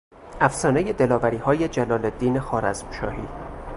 افسانهی دلاوریهای جلالالدین خوارزمشاهی